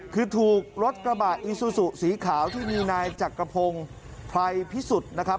คือถูกรถกระบะอีซูซูสีขาวที่มีนายจักรพงศ์ไพรพิสุทธิ์นะครับ